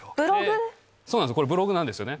そうなんですよ、これ、ブログなんですよね。